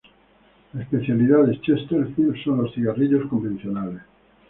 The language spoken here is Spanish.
La especialidad de Chesterfield son los cigarrillos convencionales.